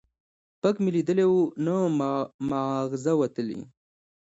ـ پک مې ليدلى وو، نه معاغزه وتلى.